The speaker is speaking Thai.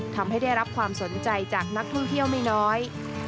ทำให้ได้รับความสนใจจากนักท่องเที่ยวไม่น้อย